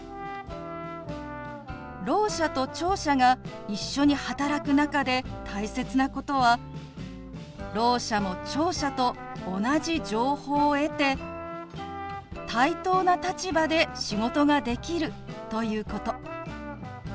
ろう者と聴者が一緒に働く中で大切なことはろう者も聴者と同じ情報を得て対等な立場で仕事ができるということ。